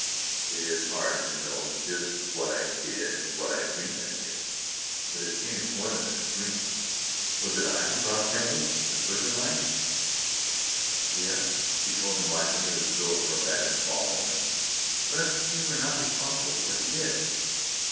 It is hard to know just what I did and what I dreamed I did. But it seems more than a dream. ... Was it I who robbed Kemble of the Quigley mines?" "Yes," she told him lightly, as though it were a matter of small moment. "But you were not responsible for what you did."